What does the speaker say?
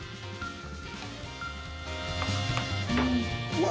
うわ！